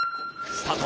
スタート。